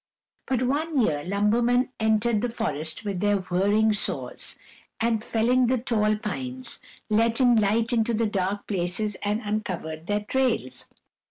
But one year lumbermen entered the forest with their whirring saws, and felling the tall pines, let in light into the dark places and uncovered their trails.